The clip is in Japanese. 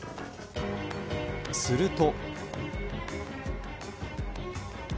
すると。